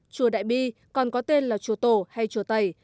chùa đại bi còn có tên là chùa tổ hay chùa tày